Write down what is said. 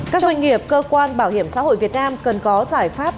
các doanh nghiệp cơ quan bảo hiểm xã hội việt nam cần có giải pháp